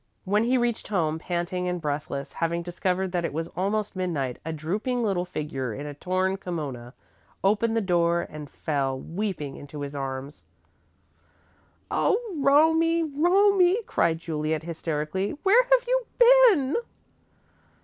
When he reached home, panting and breathless, having discovered that it was almost midnight, a drooping little figure in a torn kimona opened the door and fell, weeping into his arms. "Oh, Romie! Romie!" cried Juliet, hysterically. "Where have you been?"